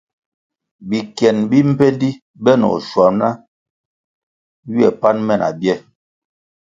Bikien bi mbpendi benoh schuaná ywe pan me na bie.